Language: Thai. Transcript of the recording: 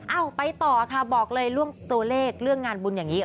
เอาไปต่อค่ะบอกเลยเรื่องตัวเลขเรื่องงานบุญอย่างนี้